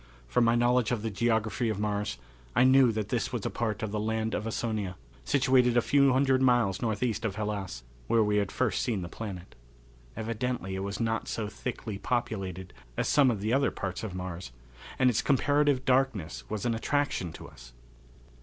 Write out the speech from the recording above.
From my knowledge of the geography of Mars I knew that this was a part of the Land of Ausonia, situated a few hundred miles northeast of Hellas, where we had first seen the planet. Evidently it was not so thickly populated as some of the other parts of Mars, and its comparative darkness was an attraction to us.